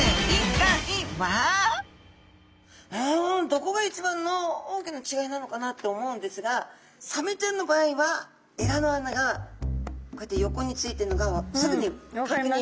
どこが一番の大きな違いなのかなって思うんですがサメちゃんの場合はエラの穴がこうやって横についているのがすぐにかくにんできます。